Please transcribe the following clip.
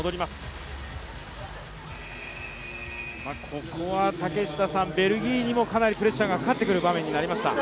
ここは竹下さん、ベルギーにもかなりプレッシャーがかかってくる場面になりました。